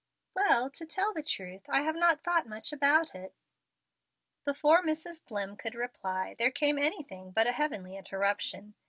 "Well, to tell the truth, I have not thought much about it." Before Mrs. Dlimm could reply, there came anything but a heavenly interruption.